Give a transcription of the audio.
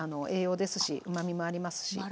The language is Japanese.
栄養ですしうまみもありますし。